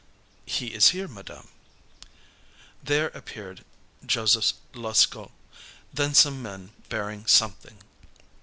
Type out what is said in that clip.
"He is here, madam." There appeared Joseph Lascaud, then some men bearing Something.